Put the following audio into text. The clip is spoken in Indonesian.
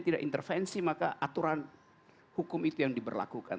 tidak intervensi maka aturan hukum itu yang diberlakukan